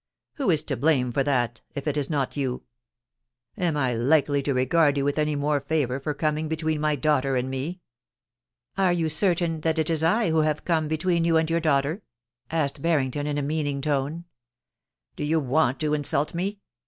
Who is to blame for that if it is not you ? Am I likely to regard you with any more favour for coming between my daughter and me ?Are you certain that it is I who have come between you and your daughter ?' asked Harrington, in a meaning tone. * Do you want to insult me